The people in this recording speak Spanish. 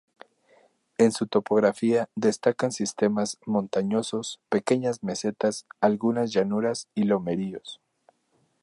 En su topografía destacan sistemas montañosos, pequeñas mesetas, algunas llanuras y lomeríos.